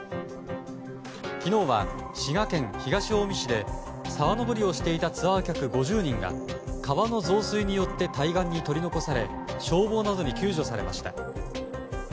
昨日は滋賀県東近江市で沢登りをしていたツアー客５０人が川の増水によって対岸に取り残され消防などに救助されました。